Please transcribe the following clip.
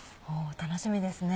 楽しみですね。